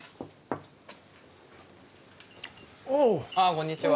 こんにちは。